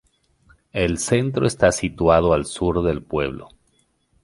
El centro está situado al sur del pueblo.